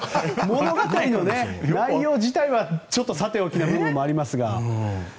物語の内容自体はさておきな部分もありますが。